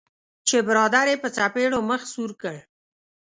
چې برادر یې په څپیړو مخ سور کړ.